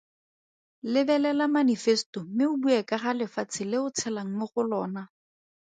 Lebelela manifeseto mme o bue ka ga lefatshe le o tshelang mo go lona.